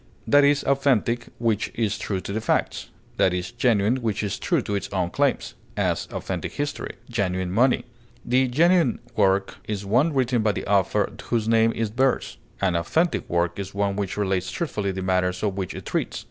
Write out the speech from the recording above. That is authentic which is true to the facts; that is genuine which is true to its own claims; as, authentic history; genuine money. A 'genuine' work is one written by the author whose name it bears; an 'authentic' work is one which relates truthfully the matters of which it treats.